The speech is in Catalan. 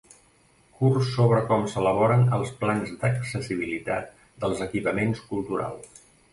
Curs sobre com s'elaboren els plans d'accessibilitat dels equipaments culturals.